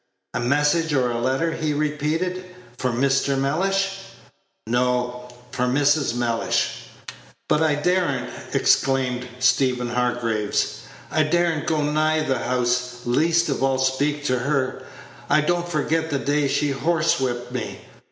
"A message or a letter," he repeated, "for Mr. Mellish?" "No; for Mrs. Mellish." "But I dare n't," exclaimed Stephen Hargraves; "I dare n't go nigh the house, least of all to speak to her. I don't forget the day she horsewhipped me.